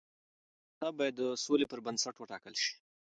د تعلیم نصاب باید د سولې پر بنسټ وټاکل شي.